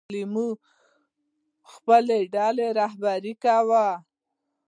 لیوه خپله ډله رهبري کوي.